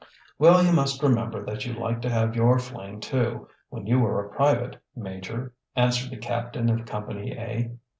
"Well, you must remember that you liked to have your fling too, when you were a private, major," answered the captain of Company A.